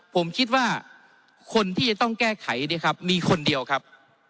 ผมคิดว่าคนที่จะต้องแก้ไขเนี่ยครับมีคนเดียวครับ